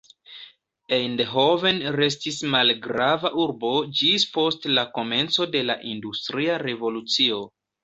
Eindhoven restis malgrava urbo ĝis post la komenco de la industria revolucio.